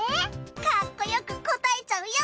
かっこよくこたえちゃうよ！